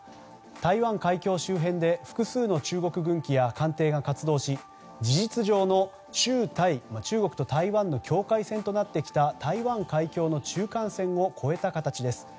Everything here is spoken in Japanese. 台湾海峡周辺で複数の中国軍機や艦艇が活動し、事実上の中国と台湾の境界線となってきた台湾海峡の中間線を越えた形です。